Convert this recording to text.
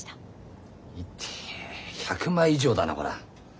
いて１００枚以上だなこら。